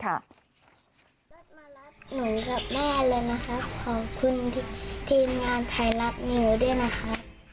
ก็มารับหนูกับแม่เลยนะคะขอบคุณทีมงานไทยรัฐนิวด้วยนะคะ